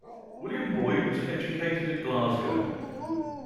William Boyd was educated at Glasgow.